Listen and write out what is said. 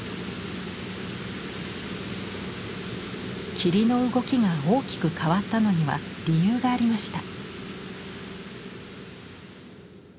霧の動きが大きく変わったのには理由がありました。